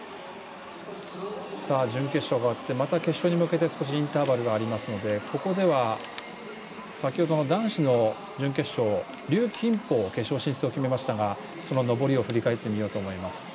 準決勝が終わって決勝に向けてインターバルがありますのでここでは、先ほどの男子の準決勝龍金宝、決勝進出を決めましたがその登りを振り返ってみようと思います。